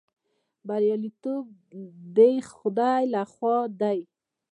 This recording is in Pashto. بریالیتوب د خدای لخوا دی